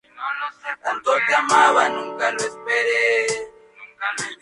Al día siguiente, el Egg Carrier se acerca a la ciudad.